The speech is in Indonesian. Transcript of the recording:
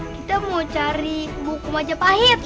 kita mau cari buku majapahit